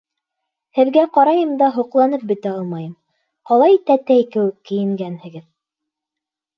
Һеҙгә ҡарайым да һоҡланып бөтә алмайым — ҡалай тәтәй кеүек кейенгәнһегеҙ!